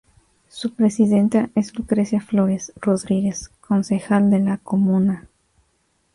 Su presidenta es Lucrecia Flores Rodríguez, concejal de la comuna.